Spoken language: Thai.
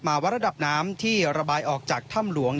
ว่าระดับน้ำที่ระบายออกจากถ้ำหลวง